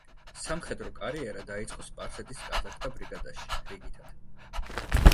სამხედრო კარიერა დაიწყო სპარსეთის კაზაკთა ბრიგადაში რიგითად.